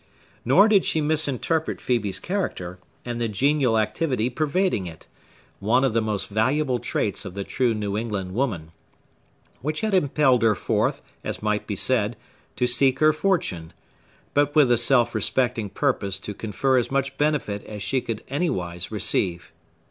Nor did she misinterpret Phœbe's character, and the genial activity pervading it,—one of the most valuable traits of the true New England woman,—which had impelled her forth, as might be said, to seek her fortune, but with a self respecting purpose to confer as much benefit as she could anywise receive.